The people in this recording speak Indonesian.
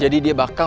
jadi dia bakal